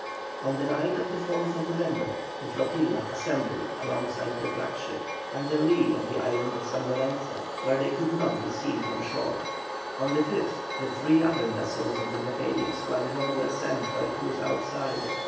On the night of the 4th November the flotilla assembled alongside the flag ship, under lee of the island of San Lorenzo, where they could not be seen from shore. On the 5th the three other vessels of the blockading squadron were sent for a cruise outside.